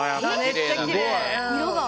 めっちゃきれい。